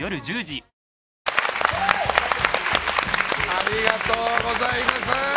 ありがとうございます。